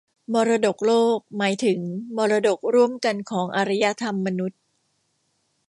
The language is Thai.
มรดกโลกหมายถึงมรดกร่วมกันของอารยธรรมมนุษย์